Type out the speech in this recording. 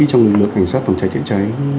trong lực lượng cảnh sát phòng cháy trợ cháy